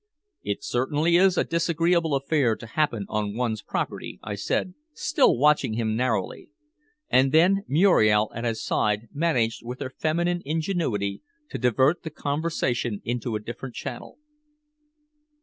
"It certainly is a disagreeable affair to happen on one's property." I said, still watching him narrowly. And then Muriel at his side managed with her feminine ingenuity to divert the conversation into a different channel.